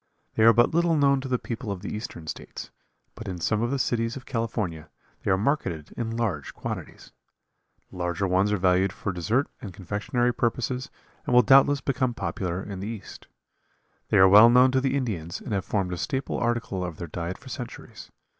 They are but little known to the people of the eastern states, but in some of the cities of California they are marketed in large quantities. The larger ones are valued for dessert and confectionery purposes and will doubtless become popular in the East. They are well known to the Indians and have formed a staple article of their diet for centuries.